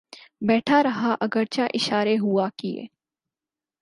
بیٹھا رہا اگرچہ اشارے ہوا کیے